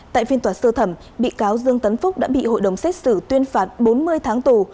tại phiên tòa sơ thẩm bị cáo dương tấn phúc đã bị hội đồng xét xử tuyên phạt bốn mươi tháng tù